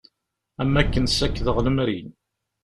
Am akken sakdeɣ lemri.